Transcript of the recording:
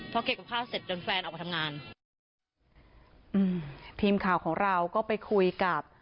พอเก็บกับข้าวเสร็จจนแฟนออกมาทำงานอืมทีมข่าวของเราก็ไปคุยกับ